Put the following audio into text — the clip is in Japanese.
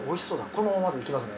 このままでいきますね。